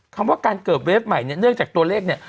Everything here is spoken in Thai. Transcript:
คำว่าการเกิดเวฟใหม่เนี่ยเนื่องจากตัวเลขเนี่ย